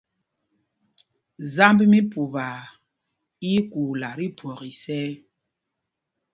Zámb mí Pupaa í í kuula tí phwɔk isɛ̄y.